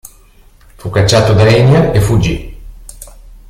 Fu cacciato da Enya e fuggì.